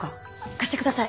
貸してください。